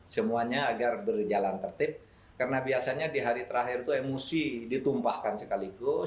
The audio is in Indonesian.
semuanya agar berjalan tertib karena biasanya di hari terakhir itu emosi ditumpahkan sekaligus